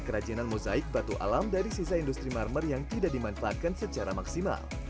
kerajinan mozaik batu alam dari sisa industri marmer yang tidak dimanfaatkan secara maksimal